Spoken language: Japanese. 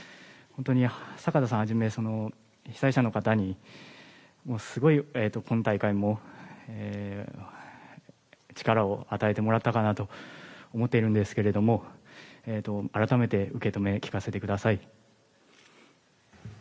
本当にサカタさんをはじめ、被災者の方にすごい今大会も力を与えてもらったかなと思っているんですけれども、改めて受け止め聞かせてください。